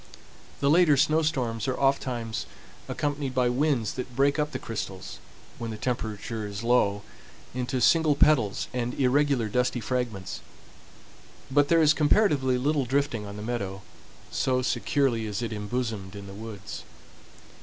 The later snow storms are oftentimes accompanied by winds that break up the crystals, when the temperature is low, into single petals and irregular dusty fragments; but there is comparatively little drifting on the meadow, so securely is it embosomed in the woods.